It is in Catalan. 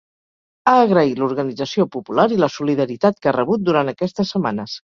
Ha agraït l’organització popular i la solidaritat que ha rebut durant aquestes setmanes.